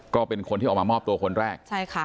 ก็เป็นคนที่ออกมามอบตัวคนแรก